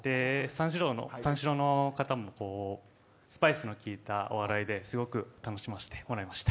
三四郎の方もスパイスのきいたお笑いですごく楽しませてもらいました。